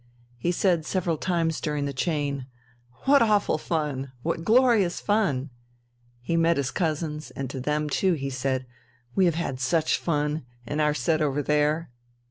He said several times during the chain, "What awful fun! What glorious fun!" He met his cousins, and to them too he said, "We have had such fun in our set over there!"